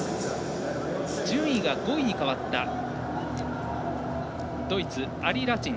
順位が５位に変わったドイツ、アリ・ラチン。